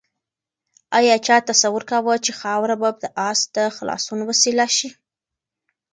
آیا چا تصور کاوه چې خاوره به د آس د خلاصون وسیله شي؟